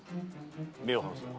目を離すな。